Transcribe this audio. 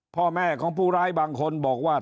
พ่อแม่ของผู้ร้ายบางคนบอกว่า